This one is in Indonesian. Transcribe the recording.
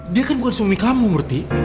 dia kan bukan suami kamu ngerti